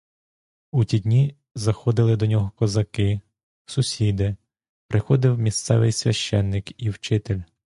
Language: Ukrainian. У ті дні заходили до нього козаки, сусіди, приходив місцевий священик і вчитель.